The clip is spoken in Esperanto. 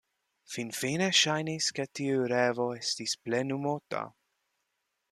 Finfine ŝajnis ke tiu revo estis plenumota.